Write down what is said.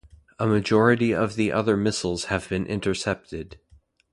A majority of the other missiles have been intercepted.